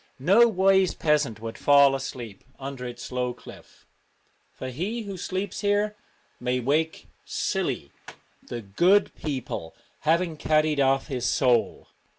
No wise peasant would fall asleep under its low cliff, for he who sleeps here may wake 'silly,' the 'good people' having carried off his soul.